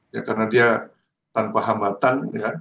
ya karena dia tanpa hambatan ya